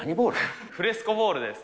フレスコボールです。